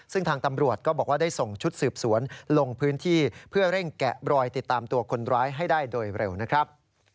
ซึ่งทางตำรวจก็บอกว่าได้ส่งชุดสืบสวนลงพื้นที่เพื่อเร่งแกะรอยติดตามตัวคนร้ายให้ได้โดยเร็วนะครับ